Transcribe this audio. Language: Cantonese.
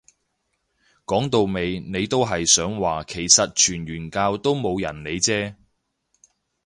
講到尾你都係想話其實傳完教都冇人會理啫